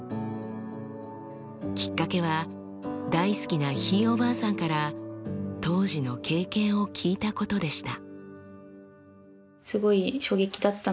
きっかけは大好きなひいおばあさんから当時の経験を聞いたことでした。